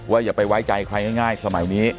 อย่าไปไว้ใจใครง่ายสมัยนี้